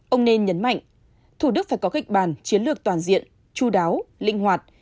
ông nên nhấn mạnh thủ đức phải có kịch bàn chiến lược toàn diện chú đáo lĩnh hoạt